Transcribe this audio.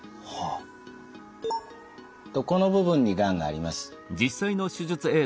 この部分にがんがあります。